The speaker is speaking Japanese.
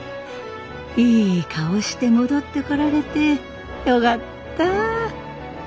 いい顔して戻ってこられてよがった。